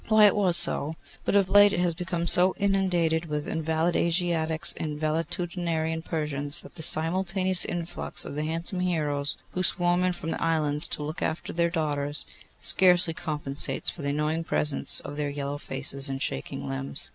'Why, it was so; but of late it has become so inundated with invalid Asiatics and valetudinarian Persians, that the simultaneous influx of the handsome heroes who swarm in from the islands to look after their daughters, scarcely compensates for the annoying presence of their yellow faces and shaking limbs.